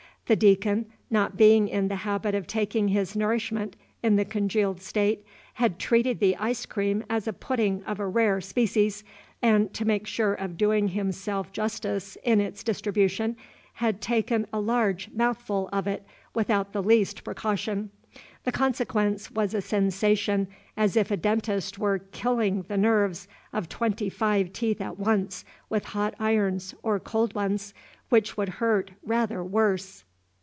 The Deacon, not being in the habit of taking his nourishment in the congealed state, had treated the ice cream as a pudding of a rare species, and, to make sure of doing himself justice in its distribution, had taken a large mouthful of it without the least precaution. The consequence was a sensation as if a dentist were killing the nerves of twenty five teeth at once with hot irons, or cold ones, which would hurt rather worse.